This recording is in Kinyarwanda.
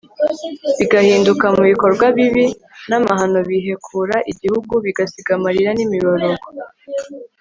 bigahinguka mu bikorwa bibi n'amahano bihekura igihugu, bigasiga amarira n'imiborogo